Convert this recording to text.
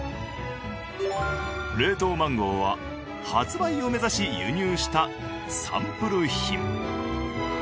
冷凍マンゴーは発売を目指し輸入したサンプル品。